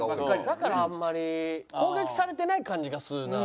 だからあんまり攻撃されてない感じがするな。